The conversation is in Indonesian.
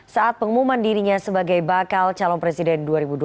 saat pengumuman dirinya sebagai bakal calon presiden dua ribu dua puluh